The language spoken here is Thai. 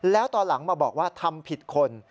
แล้วตอนหลังมาบอกว่าทำผิดคน